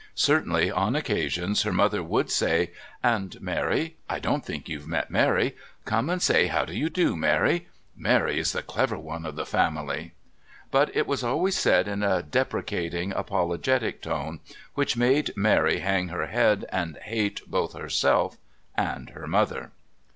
Certainly, on occasions, her mother would say: "And Mary? I don't think you've met Mary. Come and say, how do you do, Mary. Mary is the clever one of the family!" but it was always said in a deprecating, apologetic tone, which made Mary hang her head and hate both herself and her mother.